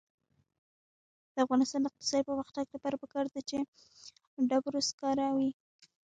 د افغانستان د اقتصادي پرمختګ لپاره پکار ده چې ډبرو سکاره وي.